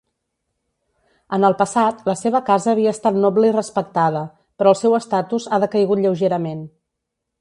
En el passat, la seva casa havia estat noble i respectada, però el seu estatus ha decaigut lleugerament.